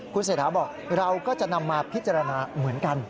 คุณเศรษฐาบอกเราก็จะนำมาพิจารณาเหมือนกัน